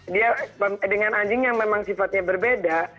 dia dengan anjing yang memang sifatnya berbeda